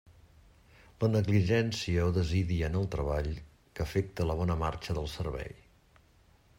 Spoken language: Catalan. La negligència o desídia en el treball que afecte la bona marxa del servei.